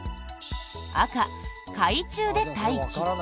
赤、海中で待機。